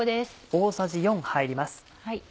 大さじ４入ります。